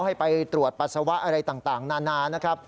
ให้ไปตรวจปัสสาวะอะไรต่างนานานะครับ